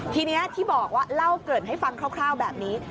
ทีนี้ที่บอกว่าเล่าเกิดให้ฟังคร่าวแบบนี้